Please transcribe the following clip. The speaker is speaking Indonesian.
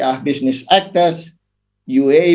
aktor bisnis uae terutama